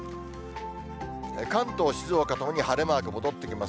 関東、静岡ともに晴れマーク戻ってきます。